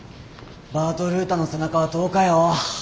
バート・ルータンの背中は遠かよ。